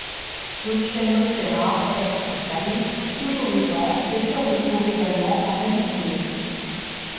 Luciano Serra est, quant à lui, toujours vivant et se retrouve également en Abyssinie.